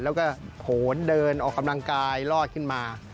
แล้วก็โหนเดินออกกำลังกายรอดขึ้นมา